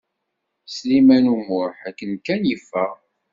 Sliman U Muḥ akken kan yeffeɣ.